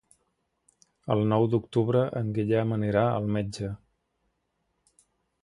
El nou d'octubre en Guillem anirà al metge.